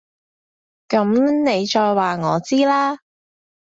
噉你再話我知啦